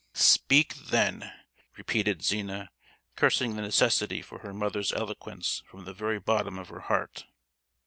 "Speak, then!" repeated Zina, cursing the necessity for her mother's eloquence from the very bottom of her heart.